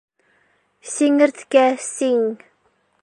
СИҢЕРТКӘ СИҢ